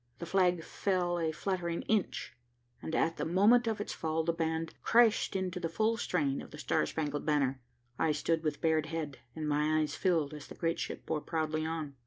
The flag fell a fluttering inch, and at the moment of its fall the band crashed into the full strain of the Star Spangled Banner. I stood with bared head, and my eyes filled as the great ship bore proudly on.